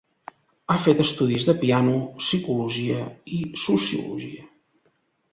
Ha fet estudis de piano, psicologia i sociologia.